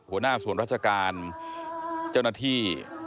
หัวหน้าส่วนราชการเจ้าหน้าที่